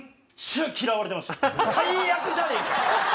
最悪じゃねえか！